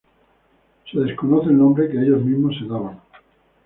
Se desconoce el nombre que ellos mismos se daban.